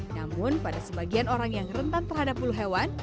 namun pada sebagian orang yang rentan terhadap bulu hewan